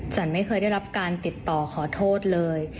ไม่เคยได้รับการติดต่อขอโทษเลย